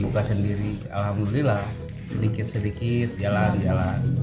buka sendiri alhamdulillah sedikit sedikit jalan jalan